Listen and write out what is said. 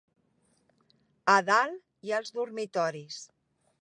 A dalt hi ha els dormitoris.